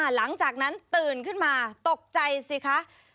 หลังจากนั้นตื่นขึ้นมาตกใจสิคะ